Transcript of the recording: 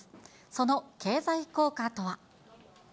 その経済効果とは。